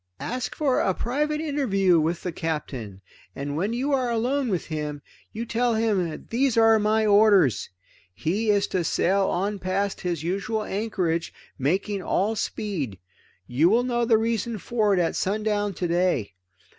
Ask for a private interview with the Captain, and when you are alone with him, tell him that these are my orders: He is to sail on past his usual anchorage, making all speed. You will know the reason for it at sundown today.